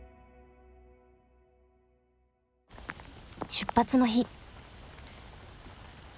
出発の日。